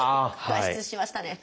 脱出しましたね。